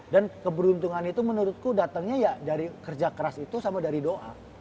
dan keberuntungan itu menurutku datangnya ya dari kerja keras itu sama dari doa